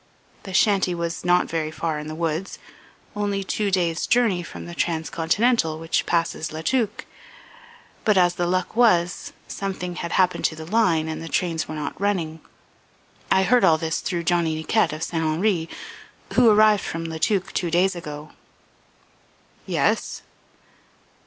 "The shanty was not very far in the woods, only two days' journey from the Transcontinental which passes La Tuque. But as the luck was, something had happened to the line and the trains were not running. I heard all this through Johnny Niquette of St. Henri, who arrived from La Tuque two days ago." "Yes."